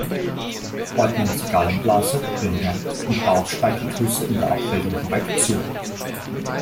Ordnen Sie Gallenblase, Dünndarm und Bauchspeicheldrüse in der Abbildung korrekt zu!